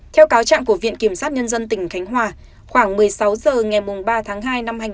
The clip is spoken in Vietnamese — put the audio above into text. theo cáo trạng của viện kiểm sát nhân dân tỉnh khánh hòa khoảng một mươi sáu h ngày ba tháng hai năm hai nghìn hai mươi